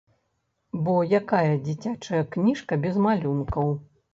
Бо якая дзіцячая кніжка без малюнкаў?